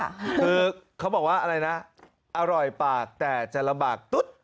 คือเขาบอกว่าอะไรนะอร่อยปากแต่จะลำบากตุ๊ด